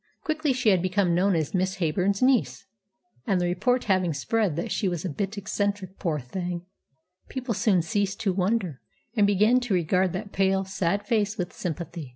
Quickly she had become known as "Miss Heyburn's niece," and the report having spread that she was "a bit eccentric, poor thing," people soon ceased to wonder, and began to regard that pale, sad face with sympathy.